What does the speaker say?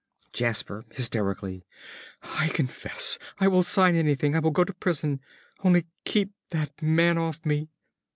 ~Jasper~ (hysterically). I confess. I will sign anything. I will go to prison. Only keep that man off me.